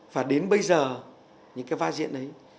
và đến bây giờ những cái vai diễn ấy